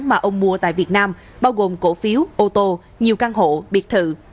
mà ông mua tại việt nam bao gồm cổ phiếu ô tô nhiều căn hộ biệt thự